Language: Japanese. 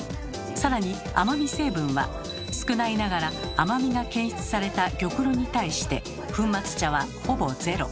更に甘み成分は少ないながら甘みが検出された玉露に対して粉末茶はほぼゼロ。